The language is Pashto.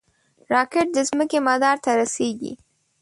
راکټ د ځمکې مدار ته رسېږي